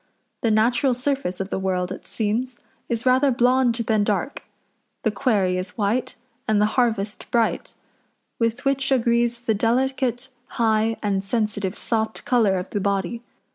The natural surface of the world, it seems, is rather blond than dark; the quarry is white, and the harvest bright; with which agrees the delicate, high, and sensitive soft colour of the body.